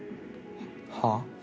はあ？